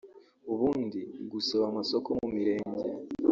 “Ubundi gusaba amasoko mu mirenge